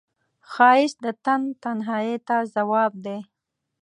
ښایست د تن تنهایی ته ځواب دی